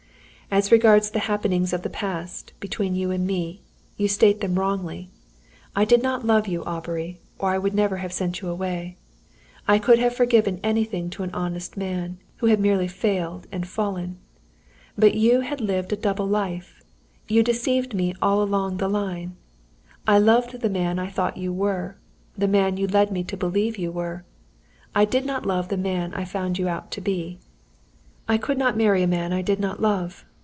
"As regards the happenings of the past, between you and me you state them wrongly. I did not love you, Aubrey, or I would never have sent you away. I could have forgiven anything to an honest man, who had merely failed and fallen. "But you had lived a double life; you had deceived me all along the line. I had loved the man I thought you were the man you had led me to believe you were. I did not love the man I found you out to be. "I could not marry a man I did not love.